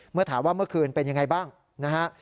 เมื่อถามว่าเมื่อคืนเป็นยังไงบ้างนะฮะ